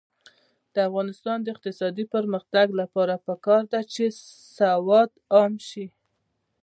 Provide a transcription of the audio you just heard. د افغانستان د اقتصادي پرمختګ لپاره پکار ده چې سواد عام شي.